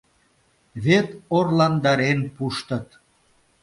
— Вет орландарен пуштыт!